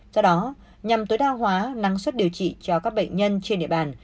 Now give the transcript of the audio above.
do đó nhằm tối đa hóa năng suất điều trị cho các bệnh nhân trên địa bàn